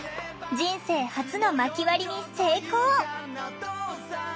人生初のまき割りに成功！